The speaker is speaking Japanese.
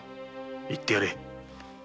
行ってやれ。